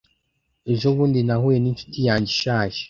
Ejo bundi nahuye ninshuti yanjye ishaje.